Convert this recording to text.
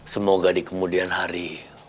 semoga di kemudian hari